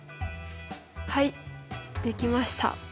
はいできました。